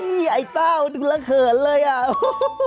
นี่ไอ๊เต้าดุล้ะเคิรเลยอ่ะ